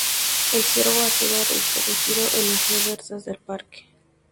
El ciervo ha sido reintroducido en las reservas del parque.